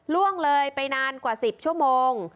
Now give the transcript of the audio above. ล่วงเลยไปนานกว่า๑๐ชั่วโมง